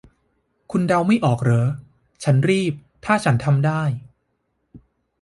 คุณเดาไม่ออกเหรอ 'ฉันรีบถ้าฉันทำได้'